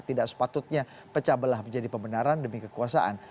tidak sepatutnya pecah belah menjadi pembenaran demi kekuasaan